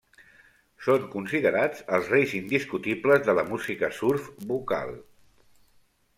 Són considerats els reis indiscutibles de la música surf vocal.